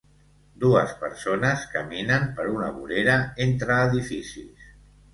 Dues persones caminen per una vorera entre edificis.